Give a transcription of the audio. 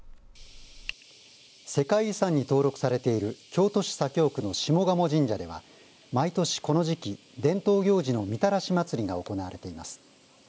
世界遺産に登録されている京都市左京区の下鴨神社では毎年この時期伝統行事のみたらし祭が行われています。